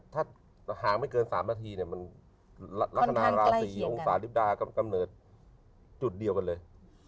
ถ้าถ้าหางไม่เกินสามนาทีเนี่ยค่อนข้างใกล้เคียงกันมันละละขนาดราสี่อุ้งสาวลิบดากับกำเนิดจุดเดียวกันเลย